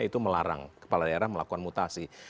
itu melarang kepala daerah melakukan mutasi